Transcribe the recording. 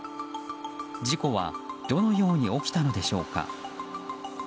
事故は、どのように起きたのでしょうか。